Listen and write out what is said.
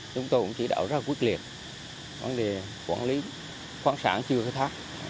chúng tôi cũng chỉ đạo rất là quyết liệt vấn đề quản lý khoáng sản chưa khai thác